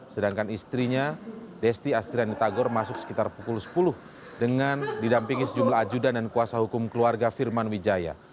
sedangkan istrinya desti astriani tagor masuk sekitar pukul sepuluh dengan didampingi sejumlah ajudan dan kuasa hukum keluarga firman wijaya